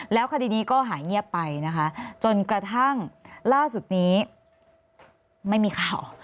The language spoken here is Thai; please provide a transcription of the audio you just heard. แล้วคดีนี้ก็หายเงียบไปนะคะจนกระทั่งล่าสุดนี้ไม่มีข่าว